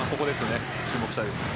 注目したいです。